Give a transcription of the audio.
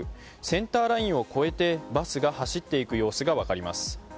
センターラインを越えてバスが走っていく様子が分かります。